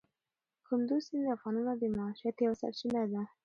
کندز سیند د افغانانو د معیشت یوه سرچینه ده.